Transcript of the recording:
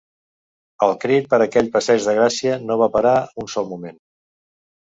El crit per aquell passeig de Gracia no va parar un sol moment